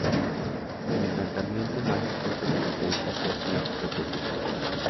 El encantamiento mágico se caracteriza por su repetición.